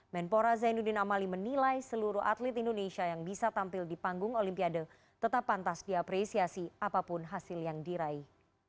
menpora zainuddin amali menilai seluruh atlet indonesia yang bisa tampil di panggung olimpiade tetap pantas diapresiasi apapun hasil yang diraih